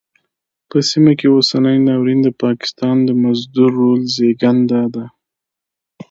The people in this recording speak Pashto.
په سیمه کې اوسنی ناورین د پاکستان د مزدور رول زېږنده ده.